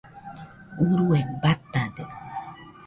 urue batade